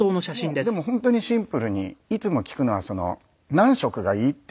もうでも本当にシンプルにいつも聞くのは「何色がいい？」って聞くんですよ。